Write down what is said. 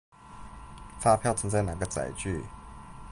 發票存在哪個載具